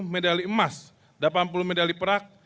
delapan puluh tujuh medali emas delapan puluh medali perak